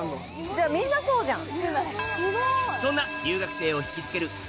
じゃみんなそうじゃん。